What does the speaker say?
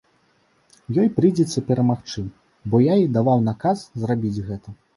Ёй прыйдзецца перамагчы, бо я ёй даваў наказ зрабіць гэта.